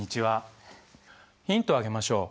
ヒントをあげましょう。